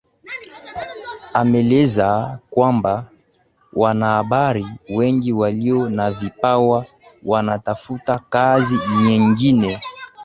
ameeleza kwamba wanahabari wengi walio na vipawa wanatafuta kazi nyengine